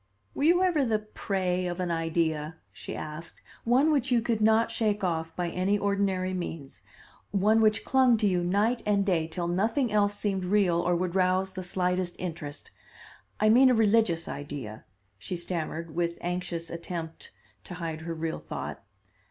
"Were you ever the prey of an idea?" she asked; "one which you could not shake off by any ordinary means, one which clung to you night and day till nothing else seemed real or would rouse the slightest interest? I mean a religious idea," she stammered with anxious attempt of to hide her real thought.